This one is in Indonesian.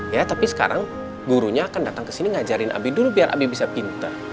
ya tapi sekarang gurunya akan datang ke sini ngajarin abi dulu biar abi bisa pinter